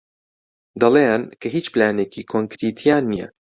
دەڵێن کە هیچ پلانێکی کۆنکریتییان نییە.